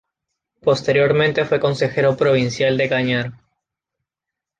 Posteriormente fue consejero provincial de Cañar.